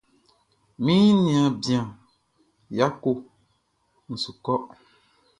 Mi niaan bian Yako n su kɔ.